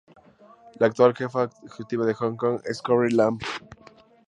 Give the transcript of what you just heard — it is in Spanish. La actual Jefa Ejecutiva de Hong Kong es Carrie Lam.